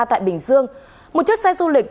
tại bình dương một chiếc xe du lịch